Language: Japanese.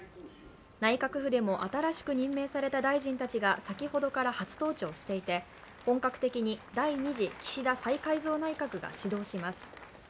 内閣府でも新しく任命された大臣たちが先ほどから初登庁していて本格的に第２次岸田再改造内閣が始動します。